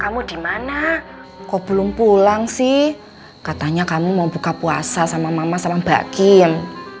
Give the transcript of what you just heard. kamu dimana kok belum pulang sih katanya kamu mau buka puasa sama mama sama mbak kiem